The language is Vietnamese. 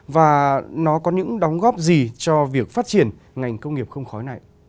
và nó có những đóng góp gì cho việc phát triển ngành công nghiệp không khói này